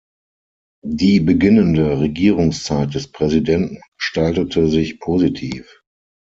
Die beginnende Regierungszeit des Präsidenten gestaltete sich positiv.